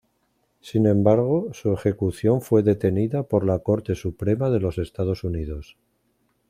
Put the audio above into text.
Sin embargo, su ejecución fue detenida por la Corte Suprema de los Estados Unidos.